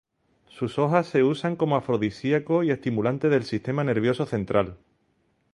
Sus hojas se usan como afrodisíaco y estimulante del sistema nervioso central.